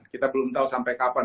kita belum tahu sampai kapan